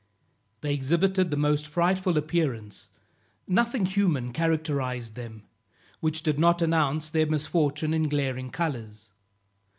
They exhibited the most frightful appearance; nothing human characterized them, which did not announce their misfortune in glaring colors.